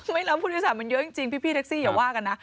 ผู้โดยสารมันเยอะจริงพี่แท็กซี่อย่าว่ากันนะ